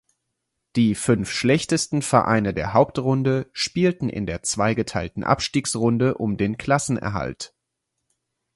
Die fünf schlechtesten Vereine der Hauptrunde spielten in der zweigeteilten Abstiegsrunde um den Klassenerhalt.